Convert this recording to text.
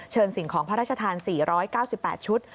เชิญสิงห์ของพระราชทาน๔๙๘ชุด